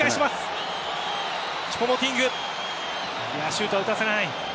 シュートは打たせない。